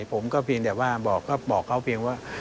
ผมก็เพียงแต่ว่าบอกเขาเพียงว่า